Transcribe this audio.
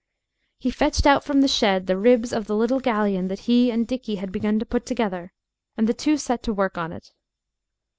He fetched out from the shed the ribs of the little galleon that he and Dickie had begun to put together, and the two set to work on it.